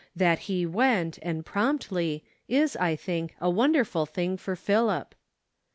That he went, and promptly, is, I think, a wonderful thing for Philip.